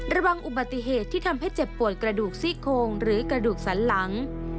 ระวังอุบัติเหตุที่ทำให้เจ็บปวดกระดูกซี่โครงหรือกระดูกสันหลัง